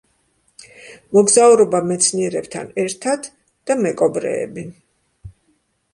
მოგზაურობა მეცნიერებთან ერთად“ და „მეკობრეები!